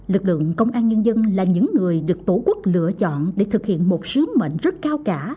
lực lượng công an nhân dân là những người được tổ quốc lựa chọn để thực hiện một sứ mệnh rất cao cả